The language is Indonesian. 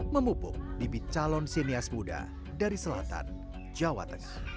memupuk bibit calon sinias muda dari selatan jawa tengah